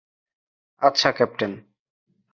আচ্ছা, ক্যাপ্টেন।